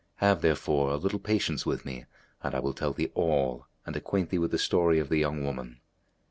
Have, therefore, a little patience with me and I will tell thee all and acquaint thee with the story of the young woman."